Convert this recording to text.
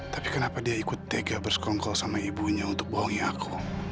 tapi kenapa dia ikut tega bersekongkol sama ibunya untuk bohongi aku